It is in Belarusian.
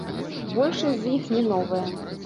Большасць з іх не новая.